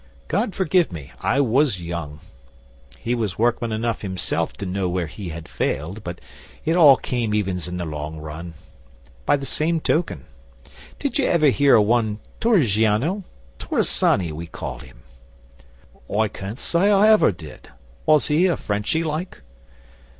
'God forgive me I was young! He was workman enough himself to know where he failed. But it all came evens in the long run. By the same token, did ye ever hear o' one Torrigiano Torrisany we called him?' 'I can't say I ever did. Was he a Frenchy like?